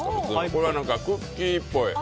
これはクッキーっぽい。